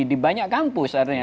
di banyak kampus artinya